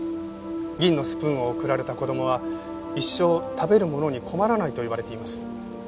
銀のスプーンを贈られた子供は一生食べるものに困らないと言われています。